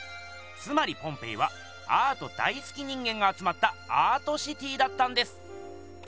つまりポンペイはアート大すき人間があつまったアートシティーだったんです！